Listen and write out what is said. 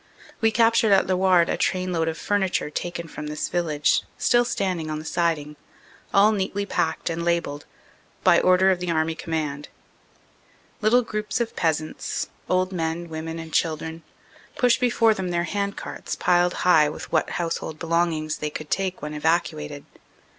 We captured at Lewarde a trainload of furniture taken from this village, still standing on the siding, all neatly packed and labelled, "By order of the Army Command." Little groups of peasants, old men, women and children, push before them their hand carts piled high with what house hold belongings they could take when evacuated.